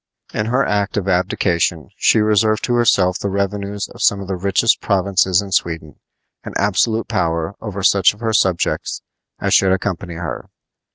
In her act of abdication she reserved to herself the revenues of some of the richest provinces in Sweden and absolute power over such of her subjects as should accompany her.